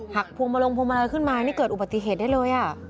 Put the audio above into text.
พวงมาลงพวงมาลัยขึ้นมานี่เกิดอุบัติเหตุได้เลย